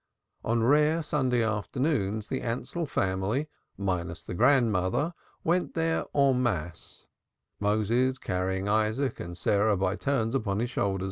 On rare Sunday afternoons the Ansell family minus the Bube toiled there and back en masse, Moses carrying Isaac and Sarah by turns upon his shoulder.